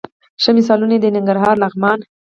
ښه مثالونه یې د ننګرهار، لغمان،